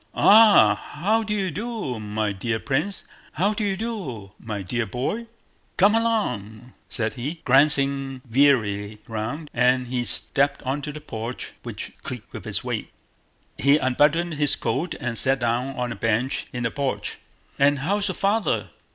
"Ah, how do you do, my dear prince? How do you do, my dear boy? Come along..." said he, glancing wearily round, and he stepped onto the porch which creaked under his weight. He unbuttoned his coat and sat down on a bench in the porch. "And how's your father?"